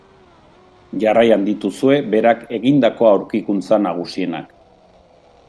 Jarraian dituzue berak egindako aurkikuntza nagusienak.